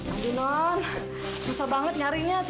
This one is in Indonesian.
aduh nom susah banget nyarinya